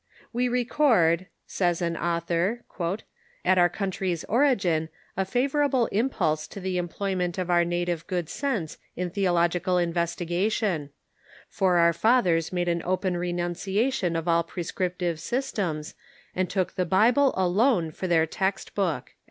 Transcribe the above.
" We re cord," says an author, " at our country's origin a favorable im pulse to the emplojanent of our native good sense in theologi cal investigation ; for our fathers made an open renunciation of all prescriptive systems, and took the Bible alone for their text book."